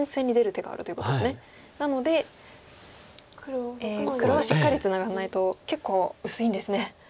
なので黒はしっかりツナがらないと結構薄いんですね。